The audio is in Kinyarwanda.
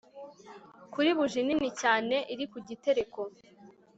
Kuri buji nini cyane iri kugitereko